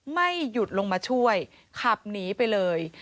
ไม่หยุดลงมาช่วยขับหนีไปเลย